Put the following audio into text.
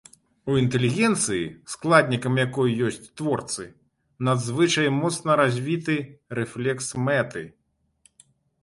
У інтэлігенцыі, складнікам якой ёсць творцы, надзвычай моцна развіты рэфлекс мэты.